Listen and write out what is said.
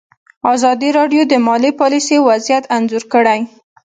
ازادي راډیو د مالي پالیسي وضعیت انځور کړی.